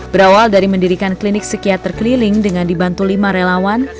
berawal dari mendirikan klinik psikiater keliling dengan dibantu lima relawan